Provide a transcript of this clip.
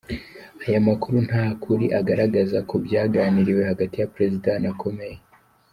Aya makuru nta kuri agaragaza ku byaganiriwe hagati ya Perezida na Comey.